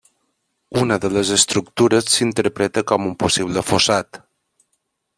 Una de les estructures s'interpreta com un possible fossat.